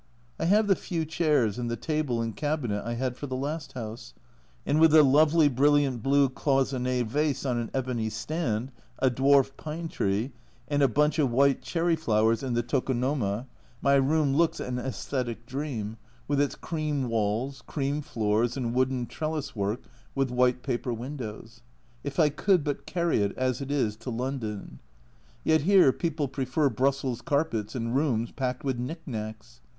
I have the few chairs and the table and cabinet I had for the last house, and with a lovely brilliant blue cloisonne vase on an ebony stand, a dwarf pine tree, and a bunch of white cherry flowers in the tokonomo, my room looks an aesthetic dream, 138 A Journal from Japan with its cream walls, cream floors, and wooden trellis work with white paper windows. If I could but carry it as it is to London I Yet here people prefer Brussels carpets and rooms packed with knick knacks.